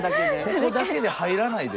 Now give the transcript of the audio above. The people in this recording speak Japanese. ここだけで入らないで。